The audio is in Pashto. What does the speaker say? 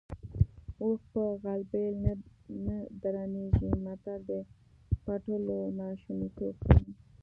اوښ په غلبېل نه درنېږي متل د پټولو ناشونیتوب ښيي